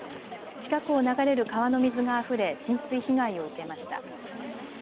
近くを流れる川の水があふれ浸水被害を受けました。